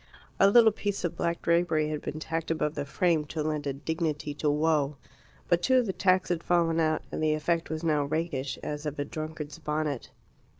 A little piece of black drapery had been tacked above the frame to lend a dignity to woe. But two of the tacks had fallen out, and the effect was now rakish, as of a drunkard's bonnet.